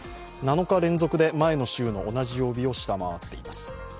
７日連続で前の週の同じ曜日を下回っています。